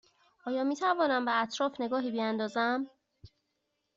آیا می توانیم به اطراف نگاهی بیاندازیم؟